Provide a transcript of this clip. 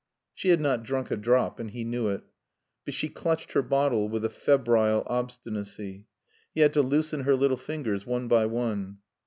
She had not drunk a drop and he knew it, but she clutched her bottle with a febrile obstinacy. He had to loosen her little fingers one by one.